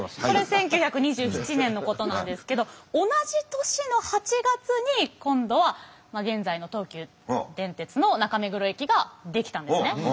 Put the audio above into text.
これ１９２７年のことなんですけど同じ年の８月に今度は現在の東急電鉄の中目黒駅が出来たんですね。